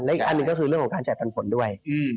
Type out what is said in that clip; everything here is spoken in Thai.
อีกอันหนึ่งก็คือเรื่องของการจ่ายปันผลด้วย